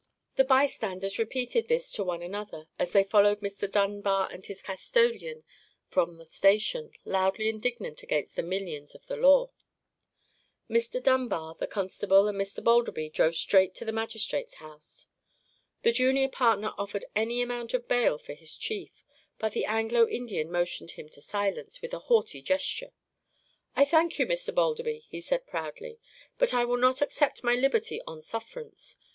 The bystanders repeated this to one another, as they followed Mr. Dunbar and his custodian from the station, loudly indignant against the minions of the law. Mr. Dunbar, the constable, and Mr. Balderby drove straight to the magistrate's house. The junior partner offered any amount of bail for his chief; but the Anglo Indian motioned him to silence, with a haughty gesture. "I thank you, Mr. Balderby," he said, proudly; "but I will not accept my liberty on sufferance.